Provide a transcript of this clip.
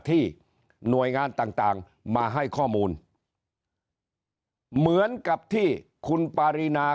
ที่หน่วยงานต่างต่างมาให้ข้อมูลเหมือนกับที่คุณปารีนา